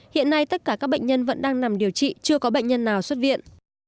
hiện nay tất cả các bệnh nhân vẫn đang nằm điều trị chưa có bệnh nhân nào xuất viện